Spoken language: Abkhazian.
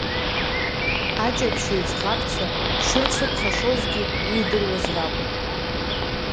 Аҷаԥшьаҩ ӡӷабцәа дшырцәыԥхашьозгьы, иидыруаз ракәын.